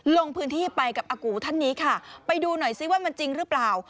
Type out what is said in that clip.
ลงพื้นที่ไปกับอากูท่านนี้ค่ะไปดูหน่อยซิว่ามันจริงหรือเปล่า